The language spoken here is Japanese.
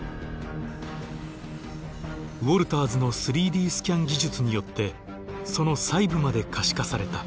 ウォルターズの３Ｄスキャン技術によってその細部まで可視化された。